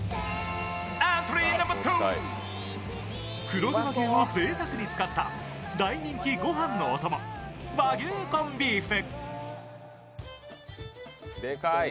黒毛和牛をぜいたくに使った大人気御飯のお供、和牛コンビーフ